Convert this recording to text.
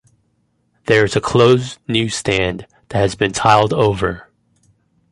There is a closed newsstand that has been tiled over.